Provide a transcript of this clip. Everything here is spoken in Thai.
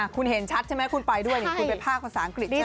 คุณเห็นชัดใช่ไหมคุณไปด้วยคุณไปภาคภาษาอังกฤษใช่ไหม